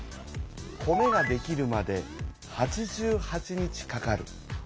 米ができるまで８８日かかる。